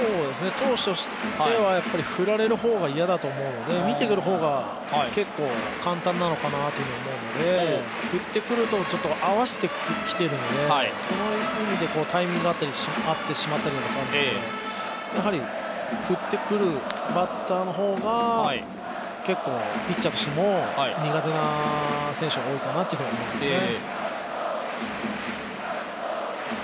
投手としては振られる方が嫌だと思うので、見ている方が、結構簡単なのかなというふうに思うので、振ってくると、合わせてきているので、その意味でタイミングが合ってしまったりとかがあって、やはり振ってくるバッターの方が結構ピッチャーとしても苦手な選手が多いかなと思いますね。